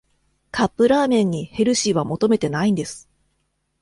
カップラーメンにヘルシーは求めてないんです